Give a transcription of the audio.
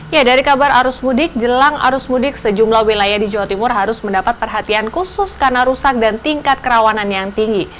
ya dari kabar arus mudik jelang arus mudik sejumlah wilayah di jawa timur harus mendapat perhatian khusus karena rusak dan tingkat kerawanan yang tinggi